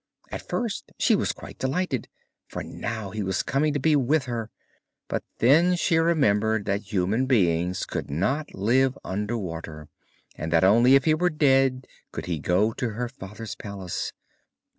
At first she was quite delighted, for now he was coming to be with her, but then she remembered that human beings could not live under water, and that only if he were dead could he go to her father's palace.